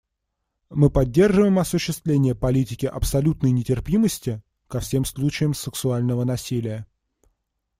Мы поддерживаем осуществление политики абсолютной нетерпимости ко всем случаям сексуального насилия.